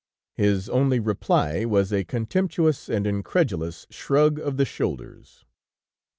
his only reply was a contemptuous and incredulous shrug of the shoulders.